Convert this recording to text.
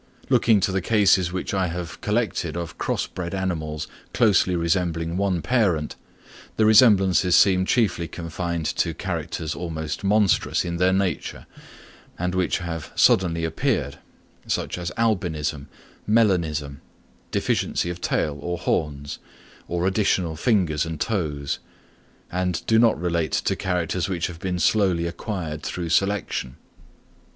Looking to the cases which I have collected of cross bred animals closely resembling one parent, the resemblances seem chiefly confined to characters almost monstrous in their nature, and which have suddenly appeared—such as albinism, melanism, deficiency of tail or horns, or additional fingers and toes; and do not relate to characters which have been slowly acquired through selection.